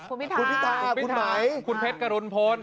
คุณพิธาคุณไหมคุณเพชรกรุณพล